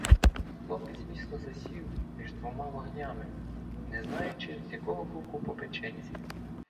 Хлопець міцно засів між двома вогнями, не знаючи, з якого боку попечеться.